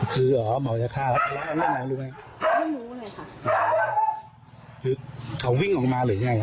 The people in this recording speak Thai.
เป็นยังไงเตรียมหรือยังแล้วไงต่อ